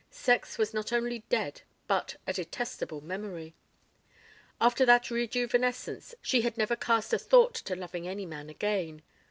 Sex was not only dead but a detestable memory. After that rejuvenescence she had never cast a thought to loving any man again.